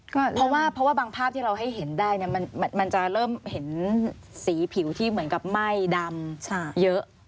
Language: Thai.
เพราะว่าเพราะว่าบางภาพที่เราให้เห็นได้มันจะเริ่มเห็นสีผิวที่เหมือนกับไหม้ดำเยอะ